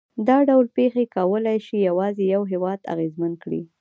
دا ډول پېښې کولای شي یوازې یو هېواد اغېزمن کړي.